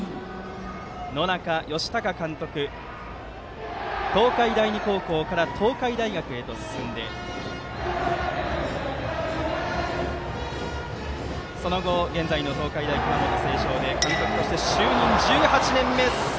野仲義高監督は東海大二高校から東海大学へと進みその後、現在の東海大熊本星翔で監督として就任１８年目。